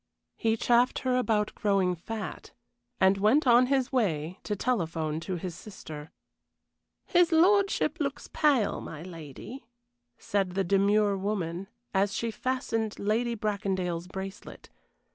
He chaffed her about growing fat, and went on his way to telephone to his sister. "His lordship looks pale, my lady," said the demure woman, as she fastened Lady Bracondale's bracelet.